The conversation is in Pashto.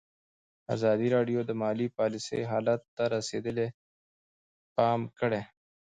ازادي راډیو د مالي پالیسي حالت ته رسېدلي پام کړی.